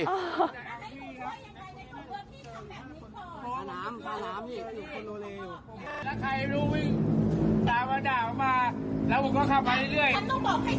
สาหรามสาหรามแล้วใครรู้วิ่งสามารถด่ามามาแล้วผมก็เข้าไปเรื่อยเรื่อย